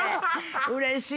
うれしい。